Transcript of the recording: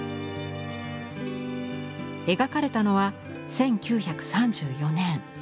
描かれたのは１９３４年。